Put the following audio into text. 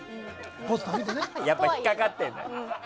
やっぱり引っかかってるんだ。